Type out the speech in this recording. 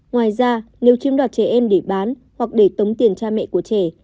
ngoài ra nếu chiếm đoạt trẻ em để bán hoặc để tống tiền cha mẹ của trẻ